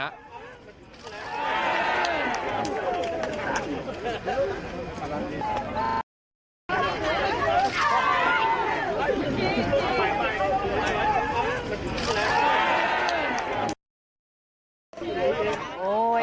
อ่ารัก